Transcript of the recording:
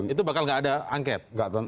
itu bakal nggak ada angket